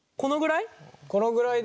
このぐらい？